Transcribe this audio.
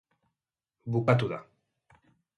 Bukatu da.